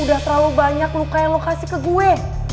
udah terlalu banyak luka yang lo kasih ke gue